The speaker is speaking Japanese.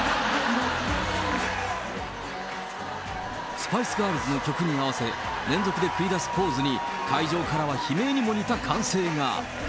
スパイス・ガールズの曲に合わせ、連続で繰り出すポーズに、会場からは悲鳴にも似た歓声が。